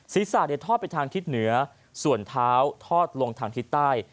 ศีรษะทอดไปทางทิศเหนือส่วนเท้าทอดลงทางทิศใต้